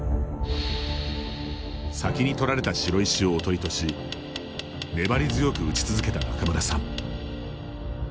先に取られた白石をおとりとし粘り強く打ち続けた仲邑さん。